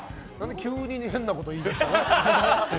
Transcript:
急に変なこと言い出した。